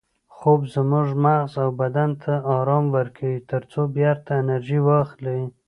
خوب زموږ مغز او بدن ته ارام ورکوي ترڅو بیرته انرژي واخلي